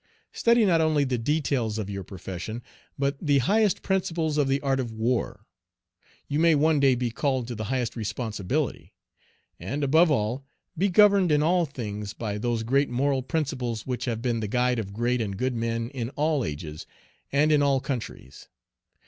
Study not only the details of your profession, but the highest principles of the art of war, You may one day be called to the highest responsibility. And, above all, be governed in all things by those great moral principles which have been the guide of great and good men in all ages and in all countries.